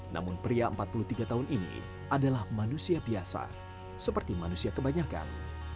namun pria empat puluh tiga tahun ini adalah manusia biasa seperti manusia kebanyakan